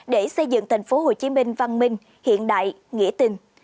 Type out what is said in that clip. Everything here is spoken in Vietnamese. để xây dựng thành phố hồ chí minh văn minh hiện đại nghĩa tình